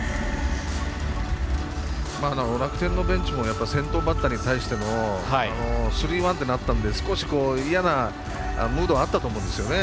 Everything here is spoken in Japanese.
楽天のベンチも先頭バッターに対してスリーワンってなったんで少し嫌なムードはあったと思うんですよね。